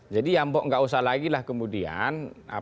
jadi ya ampok nggak usah lagi lah kemudian